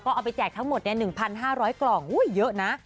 เอาไปแจกทั้งหมด๑๕๐๐กล่องเยอะนะ